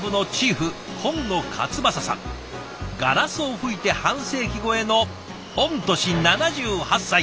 ガラスを吹いて半世紀超えの御年７８歳。